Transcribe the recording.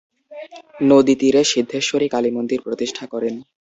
নদী তীরে সিদ্ধেশ্বরী কালী মন্দির প্রতিষ্ঠা করেন।